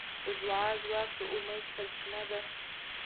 د دعا ځواک د امید سرچینه ده.